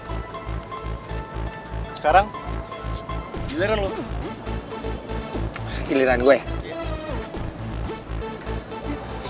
sejujurnya aku penuh hubungan beres